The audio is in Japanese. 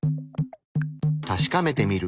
確かめてみる。